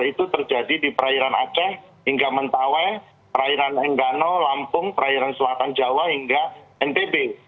itu terjadi di perairan aceh hingga mentawai perairan enggano lampung perairan selatan jawa hingga ntb